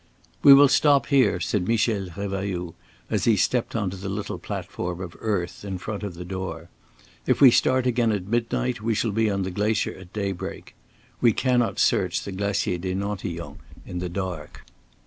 "We will stop here," said Michel Revailloud, as he stepped on to the little platform of earth in front of the door. "If we start again at midnight, we shall be on the glacier at daybreak. We cannot search the Glacier des Nantillons in the dark."